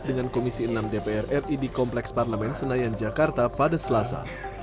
dengan komisi enam dpr ri di kompleks parlemen senayan jakarta pada selasa